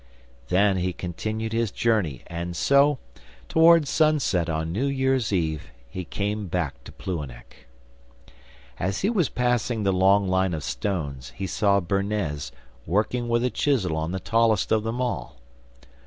Then he continued his journey, and so, towards sunset on New Year's Eve, he came back to Plouhinec. As he was passing the long line of stones, he saw Bernez working with a chisel on the tallest of them all.